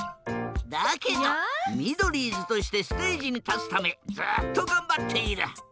だけどミドリーズとしてステージにたつためずっとがんばっている。